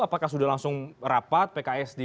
apakah sudah langsung rapat pks di